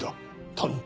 頼む。